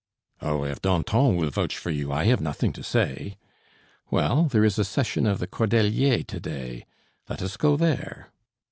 "Oh, if Danton will vouch for you, I have nothing to say." "Well, there is a session of the Cordeliers to day. Let us go there."